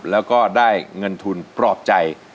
แล้วก็ได้เงินทุนปลอบใจ